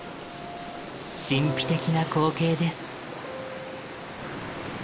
神秘的な光景です。